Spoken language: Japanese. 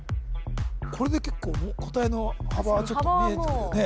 これで結構答えの幅はちょっと見えてくるよね・